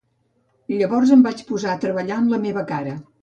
Llavors em vaig posar a treballar en la meva cara.